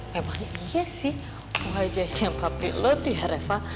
memang iya sih wajahnya papi lo tuh ya reva